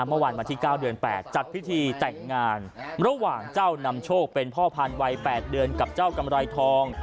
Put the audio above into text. เมื่อวานวันที่๙เดือน๘จัดพิธีแต่งงานระหว่างเจ้านำโชคเป็นพ่อพันธุ์วัย๘เดือนกับเจ้ากำไรทอง